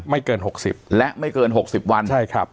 ไม่เกินหกสิบและไม่เกินหกสิบวันใช่ครับ